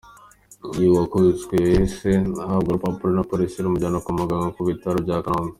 Uyu wakubiswe yahise ahabwa urupapuro na Polisi rumujyana kwa muganga ku ibitaro bya Kanombe.